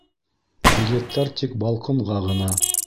Билеттар тик балконға ғына